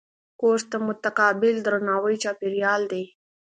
کورس د متقابل درناوي چاپېریال دی.